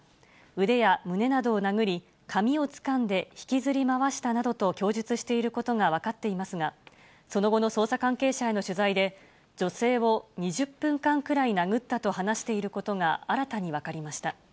腕や胸などを殴り、髪をつかんで引きずり回したなどと供述していることが分かっていますが、その後の捜査関係者への取材で、女性を２０分間くらい殴ったと話していることが新たに分かりました。